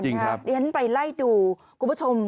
ฉะนั้นไปไล่ดูคุณผู้ชม